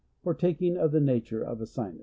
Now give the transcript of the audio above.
Partaking of the nature of a sinus.